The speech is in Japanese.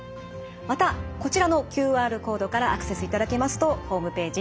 またこちらのＱＲコードからアクセスいただきますとホームページ